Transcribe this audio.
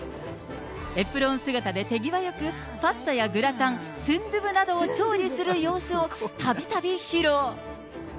エプロン姿で手際よく、パスタやグラタン、スンドゥブなどを調理する様子をたびたび披露。